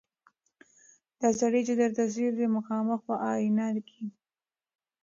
دا سړی چي درته ځیر دی مخامخ په آیینه کي